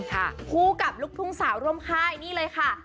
คู่กับลูกทุ่งสาวร่วมค่ายนี่เลยค่ะ